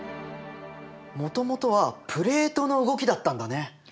もともとはプレートの動きだったんだね。